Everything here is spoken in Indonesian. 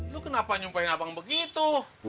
lu kenapa nyumpahin abang begitu